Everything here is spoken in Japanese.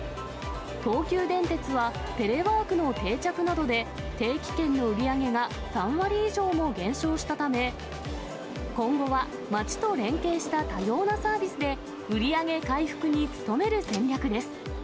東急電鉄は、テレワークの定着などで、定期券の売り上げが３割以上も減少したため、今後は街と連携した多様なサービスで、売り上げ回復に努める戦略です。